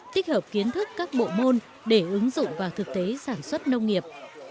tích hợp kiến thức các bộ môn để ứng dụng vào thực tế sản xuất nông nghiệp